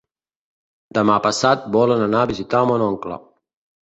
Demà passat volen anar a visitar mon oncle.